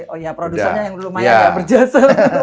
oh ya produsernya yang lumayan ya berjasa